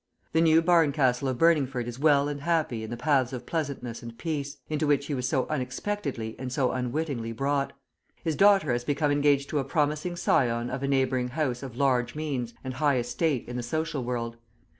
The new Barncastle of Burningford is well and happy in the paths of pleasantness and peace, into which he was so unexpectedly and so unwittingly brought. His daughter has become engaged to a promising scion of a neighbouring house of large means and high estate in the social world.